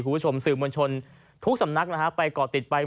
คุณผู้ชมสื่อมวลชนทุกสำนักนะฮะไปก่อติดไป